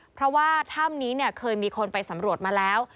เพราะว่าถ้ำนี้เคยมีคนไปสำรวจมาแล้ว